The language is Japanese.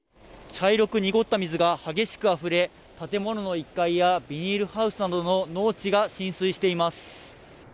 茶色く濁った水が激しくあふれ、建物の１階やビニールハウスなどの農地が浸水しています。